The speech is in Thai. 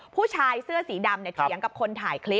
ผู้ชายเสื้อสีดำเถียงกับคนถ่ายคลิป